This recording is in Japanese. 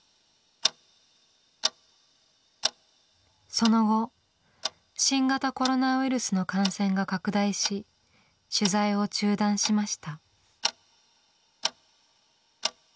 その後新型コロナウイルスの感染が拡大し取材を中断しました。